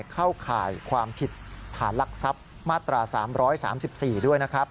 เข้าข่ายความผิดฐานลักทรัพย์มาตรา๓๓๔ด้วยนะครับ